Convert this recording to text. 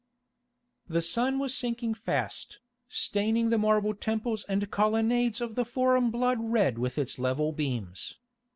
The sun was sinking fast, staining the marble temples and colonnades of the Forum blood red with its level beams.